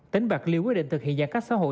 tỉnh bạc liêu quyết định thực hiện giãn cách xã hội